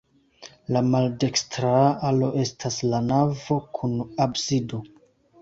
La maldekstra alo estas la navo kun absido.